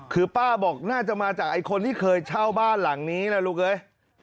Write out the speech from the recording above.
คือป้าบอกน่าจะมาจากไอ้คนที่เคยเช่าบ้านหลังนี้นะลูกเอ้ย